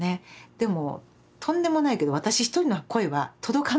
でもとんでもないけど私一人の声は届かない届かなかった。